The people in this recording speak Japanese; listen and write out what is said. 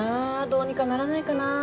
どうにかならないかなあ。